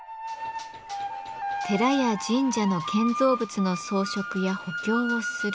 寺や神社の建造物の装飾や補強をする錺金具。